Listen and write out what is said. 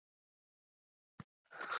يا عصمة لست منها باغيا بدلا